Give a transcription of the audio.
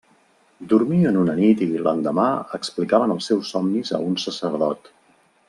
Dormien una nit i, l'endemà, explicaven els seus somnis a un sacerdot.